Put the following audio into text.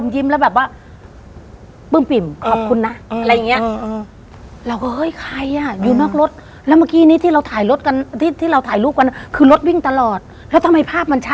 ชุดคนโบราณอะนะ